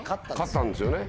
勝ったんですよね。